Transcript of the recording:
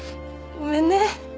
ごめんね。